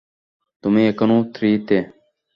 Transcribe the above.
তুমি এখনও থ্রি তে?